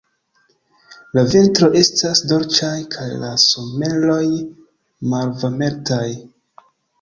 La vintroj estas dolĉaj kaj la someroj malvarmetaj.